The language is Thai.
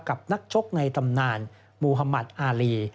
กับนักชกในตำนานมุธมัติอารี